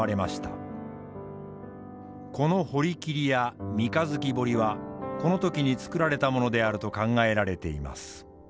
この堀切や三日月堀はこの時に作られたものであると考えられています。